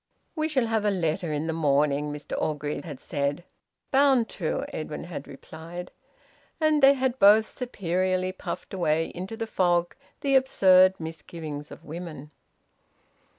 "We shall have a letter in the morning," Mr Orgreave had said. "Bound to!" Edwin had replied. And they had both superiorly puffed away into the fog the absurd misgivings of women.